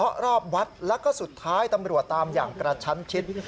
เพราะรอบวัดแล้วก็สุดท้ายตำรวจตามอย่างกระชั้นชิด